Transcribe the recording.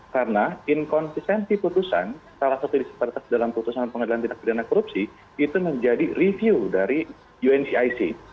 karena inkonsistensi putusan salah satu disparitas dalam putusan pengadilan dinafidana korupsi itu menjadi review dari uncic